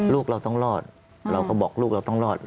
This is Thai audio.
ลูกเราต้องรอดเราก็บอกลูกเราต้องรอด